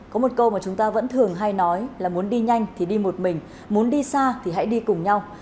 có một câu mà chúng ta vẫn thường hay nói là muốn đi nhanh thì đi một mình muốn đi xa thì hãy đi cùng nhau